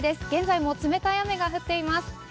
現在も冷たい雨が降っています。